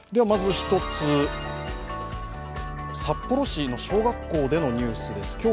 まず１つ、札幌市の小学校でのニュースです。